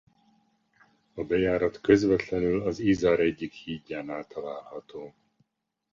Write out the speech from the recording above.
A bejárat közvetlenül az Isar egyik hídjánál található.